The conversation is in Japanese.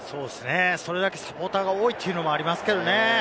それだけサポーターが多いということもありますけれどもね。